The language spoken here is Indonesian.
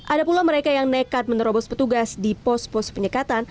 ada pula mereka yang nekat menerobos petugas di pos pos penyekatan